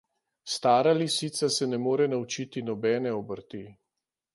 Stara lisica se ne more naučiti nobene obrti.